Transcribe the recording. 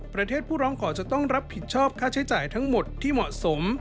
ผู้ร้องขอจะต้องรับผิดชอบค่าใช้จ่ายทั้งหมดที่เหมาะสม